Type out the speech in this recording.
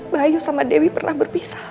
bayu sama dewi pernah berpisah